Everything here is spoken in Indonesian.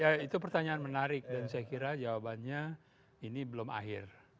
ya itu pertanyaan menarik dan saya kira jawabannya ini belum akhir